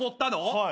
はい。